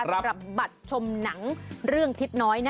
สำหรับบัตรชมหนังเรื่องทิศน้อยนะ